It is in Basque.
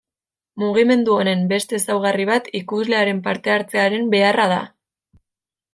Mugimendu honen beste ezaugarri bat ikuslearen parte-hartzearen beharra da.